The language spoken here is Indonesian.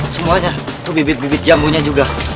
semuanya tuh bibit bibit jamunya juga